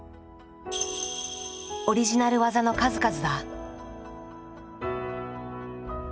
オリジナル技の数々だ。